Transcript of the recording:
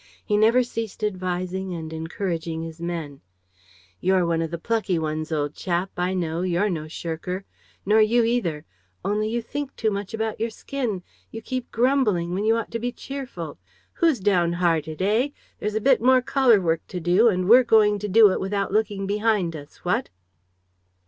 He never ceased advising and encouraging his men: "You're one of the plucky ones, old chap, I know, you're no shirker. ... Nor you either ... Only you think too much about your skin, you keep grumbling, when you ought to be cheerful. ... Who's downhearted, eh? There's a bit more collar work to do and we're going to do it without looking behind us, what?"